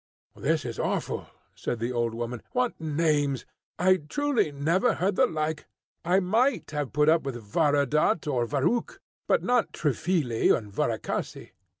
"This is awful," said the old woman. "What names! I truly never heard the like. I might have put up with Varadat or Varukh, but not Triphily and Varakhasy!"